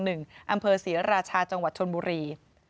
อำเภอศรีราชาจังหวัดชนบุรี